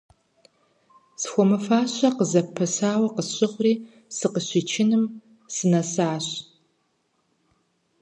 Схуэмыфащэ къызапэсауэ къысщыхъури, сыкъыщичыным сынэсащ.